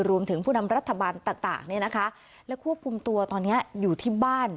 ผู้นำรัฐบาลต่างเนี่ยนะคะและควบคุมตัวตอนนี้อยู่ที่บ้าน